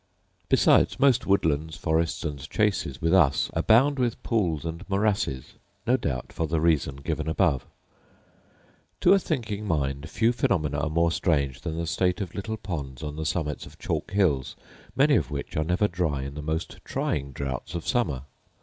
* Besides, most woodlands, forests, and chases with us abound with pools and morasses; no doubt for the reason given above. * Vide Kalm's Travels to North America. To a thinking mind few phenomena are more strange than the state of little ponds on the summits of chalk hills, many of which are never dry in the most trying droughts of summer.